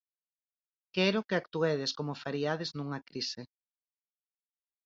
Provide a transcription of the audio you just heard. Quero que actuedes como fariades nunha crise.